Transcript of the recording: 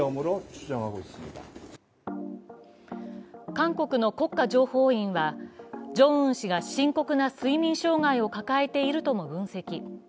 韓国の国家情報院はジョンウン氏が深刻な睡眠障害を抱えていると分析。